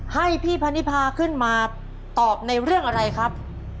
ให้พี่พนิพาขึ้นมาตอบในเรื่องอะไรครับ